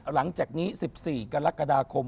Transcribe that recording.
หลังจากนี้๑๔กรกฎาคม